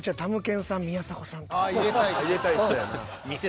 入れたい人やな。